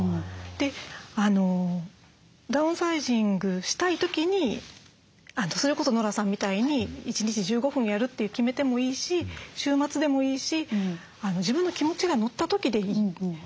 でダウンサイジングしたい時にそれこそノラさんみたいに一日１５分やるって決めてもいいし週末でもいいし自分の気持ちが乗った時でいい。